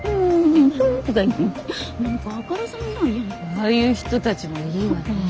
ああいう人たちもいいわねぇ。